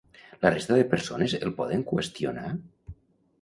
La resta de persones el poden qüestionar?